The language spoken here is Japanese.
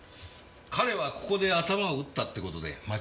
彼はここで頭を打ったって事で間違いないね？